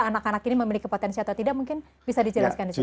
anak anak ini memiliki potensi atau tidak mungkin bisa dijelaskan di sini